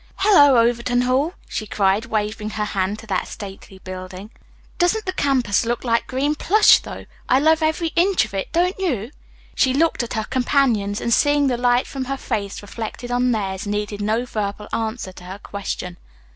"Hello, Overton Hall!" she cried, waving her hand to that stately building. "Doesn't the campus look like green plush, though! I love every inch of it, don't you?" She looked at her companions and, seeing the light from her face reflected on theirs, needed no verbal answer to her question.